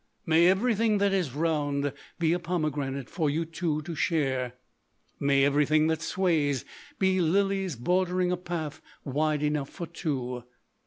May everything that is round be a pomegranate for you two to share; may everything that sways be lilies bordering a path wide enough for two.